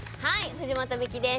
藤本美貴です。